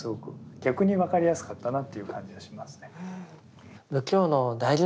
逆に分かりやすかったなという感じがしますね。